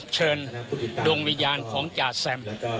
เชิญดวงวิญญาณของจ่าแซม